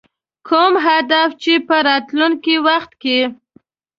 کوم اهداف چې په راتلونکي وخت کې.